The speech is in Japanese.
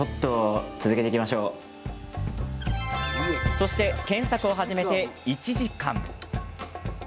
そして、検索を始めて１時間。